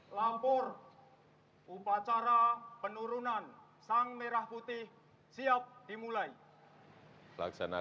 laporan komandan upacara kepada inspektur upacara